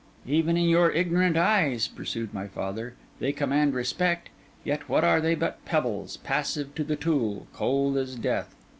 'Even in your ignorant eyes,' pursued my father, 'they command respect. Yet what are they but pebbles, passive to the tool, cold as death?